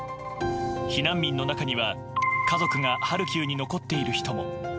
避難民の中には家族がハルキウに残っている人も。